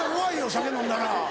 酒飲んだら。